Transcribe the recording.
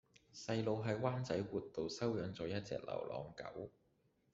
細佬喺灣仔活道收養左一隻流浪狗